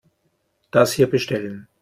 Das hier bestellen.